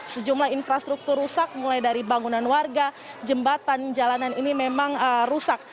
sejumlah infrastruktur rusak mulai dari bangunan warga jembatan jalanan ini memang rusak